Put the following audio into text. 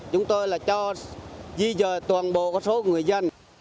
chúng tôi là cho di dời toàn bộ số người dân